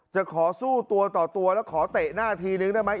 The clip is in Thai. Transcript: จะขอสู้ตัวต่อตัวแล้วขอเตะหน้าทีนึงได้ไหม